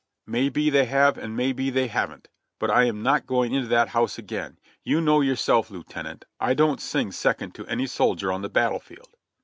"May be they have and may be they haven't; but I am not going into that house again. You know yourself, Lieutenant, I don't sing second to any soldier on the battle field."